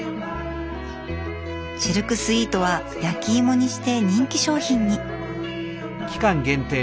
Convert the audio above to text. シルクスイートは焼き芋にして人気商品に。